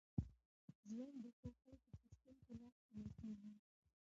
ژوند د ښو خلکو په شتون کي لا ښکلی کېږي.